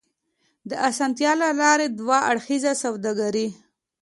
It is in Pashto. د اسانتيا له لارې دوه اړخیزه سوداګري